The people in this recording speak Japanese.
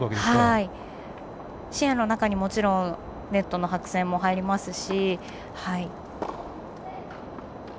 視野の中にもちろんネットの白線も入りますし。